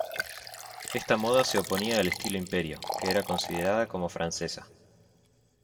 Esta moda se oponía al estilo imperio, que era considerada como francesa.